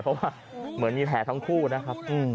เพราะว่าเหมือนมีแผลทั้งคู่นะครับ